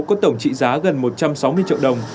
có tổng trị giá gần một trăm sáu mươi triệu đồng